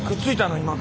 今の。